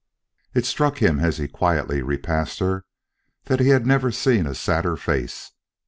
It struck him as he quietly repassed her that he had never seen a sadder face.